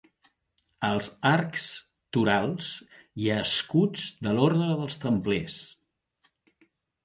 Als arcs torals hi ha escuts de l'orde dels templers.